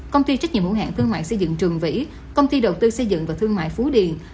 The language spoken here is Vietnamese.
công ty trách nhiệm hữu hạng thương mại xây dựng trường vĩ công ty đầu tư xây dựng và thương mại phú điền